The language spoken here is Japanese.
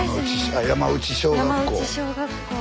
山内小学校。